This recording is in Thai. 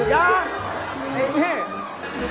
ทำไมหยอบ